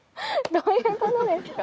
どういう事ですか？